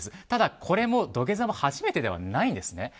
ただ、土下座は初めてではないんですね。